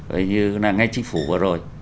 vậy như là ngay chính phủ vừa rồi